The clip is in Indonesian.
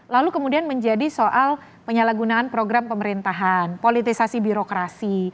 lalu kemudian menjadi soal penyalahgunaan program pemerintahan politisasi birokrasi